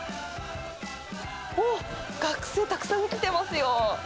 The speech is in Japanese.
おっ、学生たくさん来てます